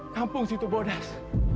kampung situ bodas